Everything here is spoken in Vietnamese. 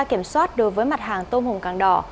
kiểm soát đối với mặt hàng tôm hùm càng đỏ